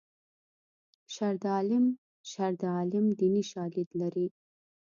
شر د عالم شر د عالم دیني شالید لري